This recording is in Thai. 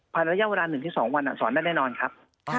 ระยะเวลา๑๒วันสอนได้แน่นอนครับ